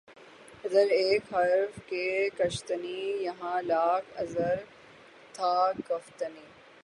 ادھر ایک حرف کہ کشتنی یہاں لاکھ عذر تھا گفتنی